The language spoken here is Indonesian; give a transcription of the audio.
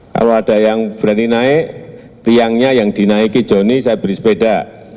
kalau ada yang berani naik tiangnya yang dinaiki johnny saya beri sepeda